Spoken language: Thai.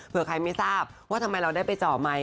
เพื่อใครไม่ทราบว่าทำไมเราได้ไปเจาะใหม่